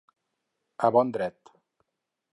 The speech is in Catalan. A bon dret.